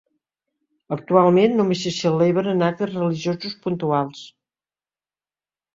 Actualment només s'hi celebren actes religiosos puntuals.